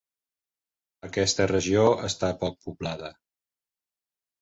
Aquesta regió està poc poblada.